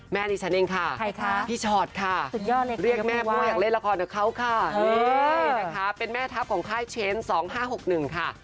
แม่นี่ฉันเองค่ะพี่ฉอดค่ะเรียกแม่ม่วงอยากเล่นละครกับเขาค่ะเป็นแม่ทัพของค่ายเชนส์๒๕๖๑ค่ะ